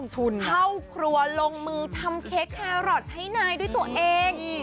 เข้าครัวลงมือทำเค้กแครอทให้นายด้วยตัวเอง